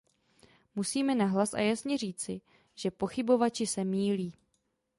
Musíme nahlas a jasně říci, že pochybovači se mýlí.